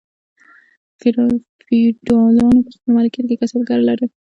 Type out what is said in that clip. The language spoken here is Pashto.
فیوډالانو په خپل مالکیت کې کسبګر لرل.